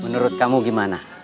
menurut kamu gimana